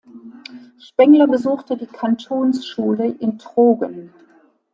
Spengler besuchte die Kantonsschule in Trogen.